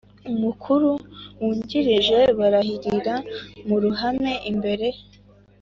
Mukuru wungirije barahirira mu ruhame imbere